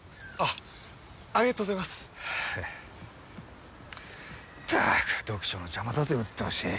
ったく読書の邪魔だぜうっとうしい。